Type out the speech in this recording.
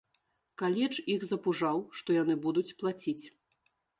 Каледж іх запужаў, што яны будуць плаціць.